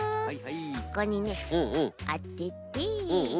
ここにねあてて。